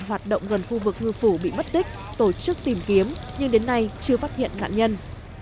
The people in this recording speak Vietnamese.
hoạt động gần khu vực ngư phủ bị mất tích tổ chức tìm kiếm nhưng đến nay chưa phát hiện nạn nhân